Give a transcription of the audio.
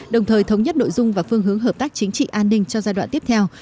đồng thời thống nhất nội dung và phương hướng hợp tác chính trị an ninh cho giai đoạn tiếp theo